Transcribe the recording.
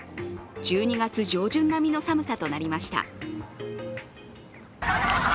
１２月上旬並みの寒さとなりました。